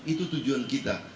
itu tujuan kita